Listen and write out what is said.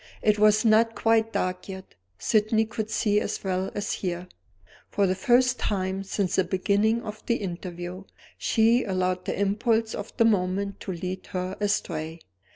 It was not quite dark yet. Sydney could see as well as hear. For the first time since the beginning of the interview, she allowed the impulse of the moment to lead her astray.